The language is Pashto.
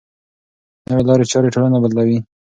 نوې لارې چارې ټولنه بدلوي.